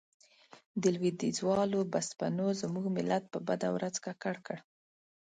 د لوېديځوالو بسپنو زموږ ملت په بده ورځ ککړ کړ.